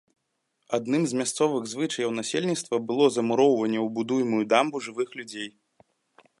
Адным з мясцовых звычаяў насельніцтва было замуроўванне ў будуемую дамбу жывых людзей.